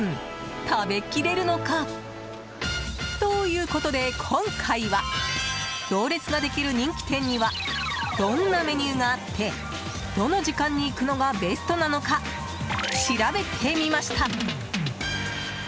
食べ切れるのか？ということで、今回は行列ができる人気店にはどんなメニューがあってどの時間に行くのがベストなのか、調べてみました。